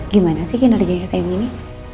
gimana sih kinerjanya sm ini